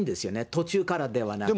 途中からではなく。